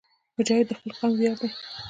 مجاهد د خپل قوم ویاړ دی.